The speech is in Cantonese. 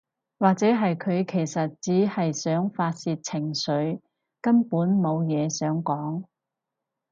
或者係佢其實只係想發洩情緒，根本無嘢想講